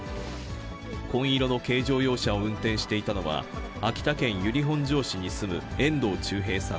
紺色の軽乗用車を運転していたのは、秋田県由利本荘市に住む遠藤忠平さん